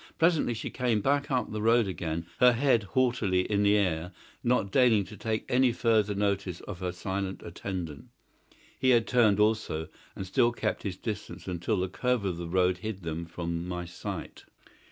Presently she came back up the road again, her head haughtily in the air, not deigning to take any further notice of her silent attendant. He had turned also, and still kept his distance until the curve of the road hid them from my sight.